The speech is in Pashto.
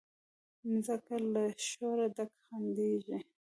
مځکه له شوره ډکه خندیږي